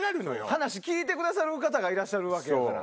話聞いてくださる方がいらっしゃるわけやから。